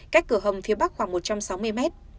cách cửa hầm phía bắc khoảng một trăm sáu mươi mét